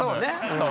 そう。